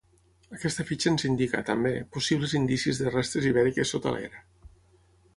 Aquesta fitxa ens indica, també, possibles indicis de restes ibèriques sota l'era.